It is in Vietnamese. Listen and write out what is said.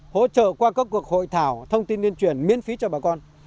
hỗ trợ qua các cuộc hội thảo thông tin liên truyền miễn phí cho bà con